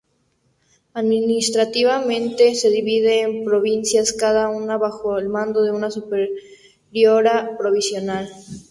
Administrativamente se divide en provincias, cada una bajo el mando de una superiora provincial.